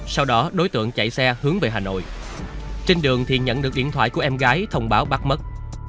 sau đó đối tượng chạy xe hướng về hà nội trên đường thì nhận được điện thoại của em gái thông báo bắt mất